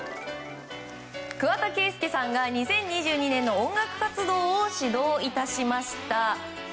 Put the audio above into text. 桑田佳祐さんが２０２２年の音楽活動を始動いたしました。